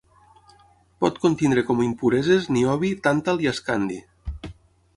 Pot contenir com impureses niobi, tàntal i escandi.